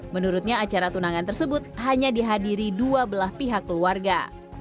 menurutnya acara tunangan tersebut hanya dihadiri dua belah pihak keluarga